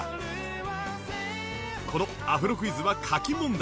このアフロクイズは書き問題